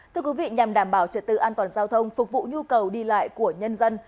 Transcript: thưa quý vị nhằm đảm bảo trật tự an toàn giao thông phục vụ nhu cầu đi lại của nhân dân